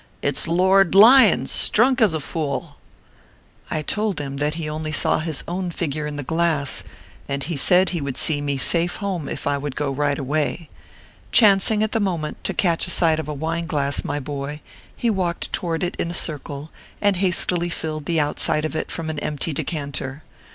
" It a Lord Lyons, s drunk as a fool/ I told him that he saw only his own figure in the glass, and he said he would see me safe home if I would go right away. Chancing at the moment to catch sight of a wine glass, my boy, he walked toward it in a circle, and hastily filled the outside of it from an empty decanter.